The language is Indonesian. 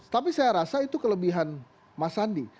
tapi saya rasa itu kelebihan mas sandi